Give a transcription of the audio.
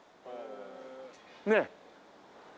ねえ。